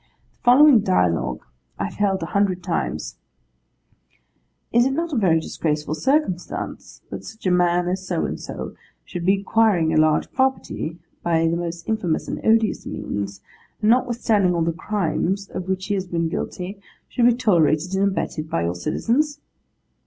The following dialogue I have held a hundred times: 'Is it not a very disgraceful circumstance that such a man as So and so should be acquiring a large property by the most infamous and odious means, and notwithstanding all the crimes of which he has been guilty, should be tolerated and abetted by your Citizens?